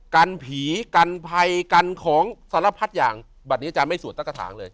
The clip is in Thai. กันผีกันไพยกันของสารพัฒน์อย่างบัดนี้จะไม่ส่วนตะกะทางเลย